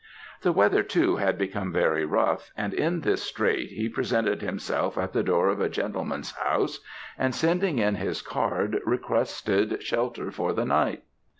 The weather, too, had become very rough, and in this strait he presented himself at the door of a gentleman's house, and sending in his card, requested shelter for the night.